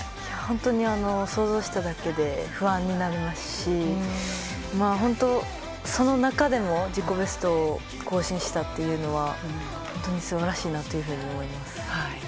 本当に想像しただけで不安になりますしその中でも自己ベストを更新したというのは本当に素晴らしいなと思います。